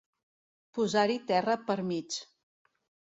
Posar-hi terra per mig.